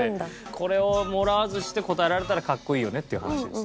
これをもらわずして答えられたらかっこいいよねっていう話です。